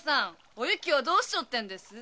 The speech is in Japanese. お雪をどうしようってんです？